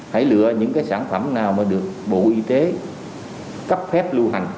hãy lựa những cái sản phẩm nào mà được bộ y tế cấp phép lưu hành